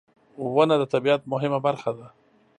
• ونه د طبیعت مهمه برخه ده.